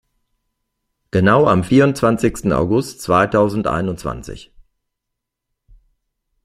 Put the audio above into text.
Genau am vierundzwanzigsten August zweitausendeinundzwanzig.